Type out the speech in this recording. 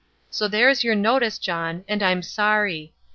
So there's your notice, John, and I am sorry!